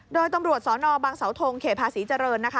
โดยตำรวจสนบางเสาทงเขตภาษีเจริญนะคะ